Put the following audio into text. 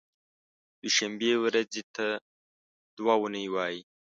دوشنبې ورځې ته دو نۍ وایی